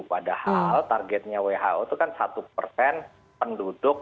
padahal targetnya who itu kan satu persen penduduk